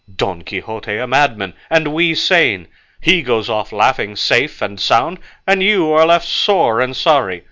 Don Quixote a madman, and we sane; he goes off laughing, safe, and sound, and you are left sore and sorry!